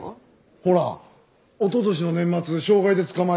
ほらおととしの年末傷害で捕まえた。